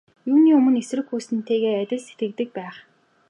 Юуны өмнө эсрэг хүнтэйгээ адил сэтгэгдэлтэй байх.